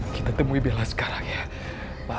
kita temui bila sekarang ya